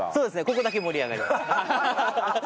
ここだけ盛り上がりますね。